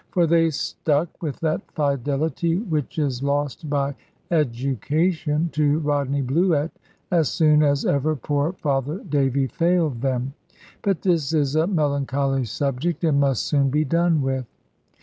For they stuck, with that fidelity which is lost by education, to Rodney Bluett, as soon as ever poor Father Davy failed them. But this is a melancholy subject, and must soon be done with.